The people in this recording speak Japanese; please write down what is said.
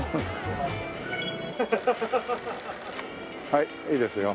はいいいですよ。